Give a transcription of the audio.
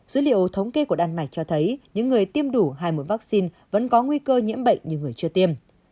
dữ liệu thống kê của đan mạch cho thấy những người tiêm đủ hai mũi vaccine vẫn có nguy cơ nhiễm bệnh như người chưa tiêm